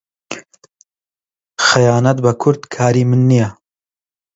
خەیانەت بە کورد کاری من نییە.